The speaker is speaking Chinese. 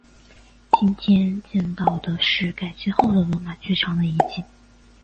今天见到的是改建后的罗马剧场的遗迹。